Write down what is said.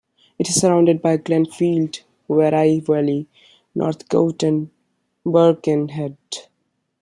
It is surrounded by Glenfield, Wairau Valley, Northcote and Birkenhead.